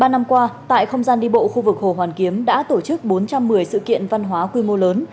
ba năm qua tại không gian đi bộ khu vực hồ hoàn kiếm đã tổ chức bốn trăm một mươi sự kiện văn hóa quy mô lớn